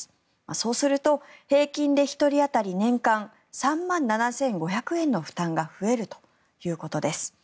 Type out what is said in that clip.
そうすると、平均で１人当たり年間３万７５００円の負担が増えるということです。